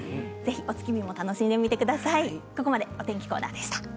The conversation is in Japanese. お月見を楽しんでみてください。